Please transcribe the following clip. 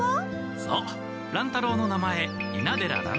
そう乱太郎の名前猪名寺乱